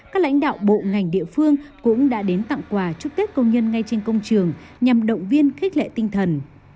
các lãnh đạo bộ ngành địa phương cũng đã đến tặng quà chúc tết công nhân ngay trên công trường nhằm động viên khích lệ tinh thần